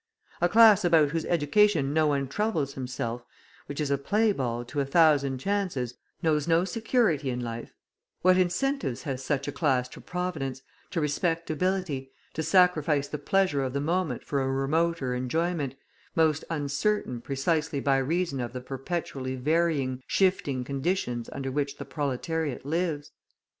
A class about whose education no one troubles himself, which is a playball to a thousand chances, knows no security in life what incentives has such a class to providence, to "respectability," to sacrifice the pleasure of the moment for a remoter enjoyment, most uncertain precisely by reason of the perpetually varying, shifting conditions under which the proletariat lives?